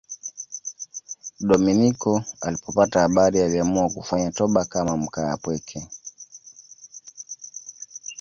Dominiko alipopata habari aliamua kufanya toba kama mkaapweke.